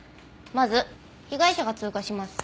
まず被害者が通過します。